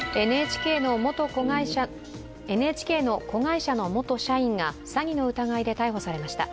ＮＨＫの子会社の元社員が詐欺の疑いで逮捕されました。